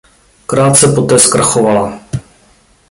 Krátce poté zkrachovala.